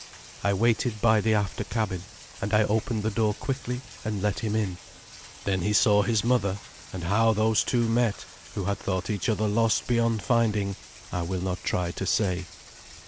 I waited by the after cabin, and I opened the door quickly and let him in. Then he saw his mother; and how those two met, who had thought each other lost beyond finding, I will not try to say.